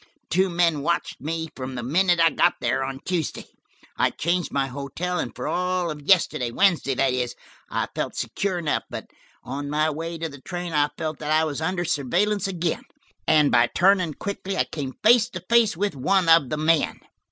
Two men watched me from the minute I got there, on Tuesday; I changed my hotel, and for all of yesterday–Wednesday, that is–I felt secure enough. But on my way to the train I felt that I was under surveillance again, and by turning quickly I came face to face with one of the men."